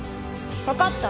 分かった？